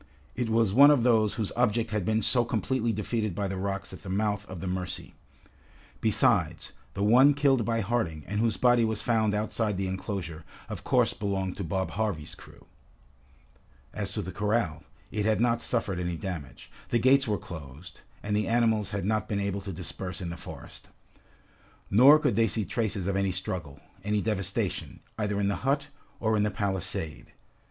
It was one of those whose object had been so completely defeated by the rocks at the mouth of the Mercy. Besides, the one killed by Harding, and whose body was found outside the enclosure, of course belonged to Bob Harvey's crew. As to the corral, it had not suffered any damage. The gates were closed, and the animals had not been able to disperse in the forest. Nor could they see traces of any struggle, any devastation, either in the hut, or in the palisade.